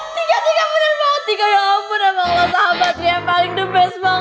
tiga tiga bener banget tiga ya allah sahabatnya yang paling the best banget